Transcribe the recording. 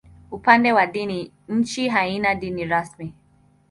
Upande wa dini, nchi haina dini rasmi.